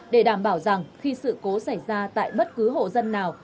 để đảm bảo rằng khi sự cố xảy ra tại bất cứ hộ dân nào